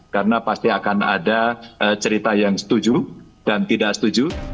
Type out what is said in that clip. karena pasti akan ada cerita yang setuju dan tidak setuju